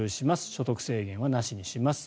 所得制限はなしにします。